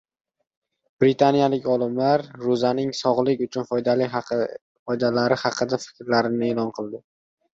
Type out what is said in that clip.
Britaniyalik olimlar ro‘zaning sog‘lik uchun foydalari haqida fikrlarini e’lon qildi